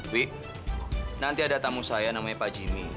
wik nanti ada tamu saya namanya pak jimmy